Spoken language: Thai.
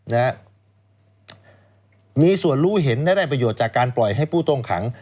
นะฮะมีส่วนรู้เห็นและได้ประโยชน์จากการปล่อยให้ผู้ต้องขัง